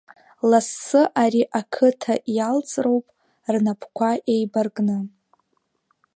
Лассы ари ақыҭа иалҵыроуп рнапқәа еибаркны!